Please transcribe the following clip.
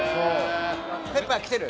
ペッパーきてる？